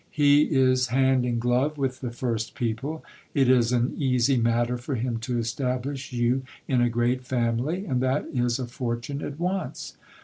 He is hand in glove with the first people ; it is an easy matter for him to establish you in a great family ; and that is a for tune at once.